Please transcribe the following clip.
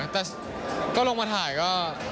แต่ก็ลงมาถ่ายก็